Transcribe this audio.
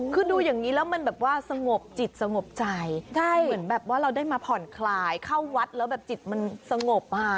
คือดูอย่างนี้แล้วมันแบบว่าสงบจิตสงบใจเหมือนแบบว่าเราได้มาผ่อนคลายเข้าวัดแล้วแบบจิตมันสงบอ่ะ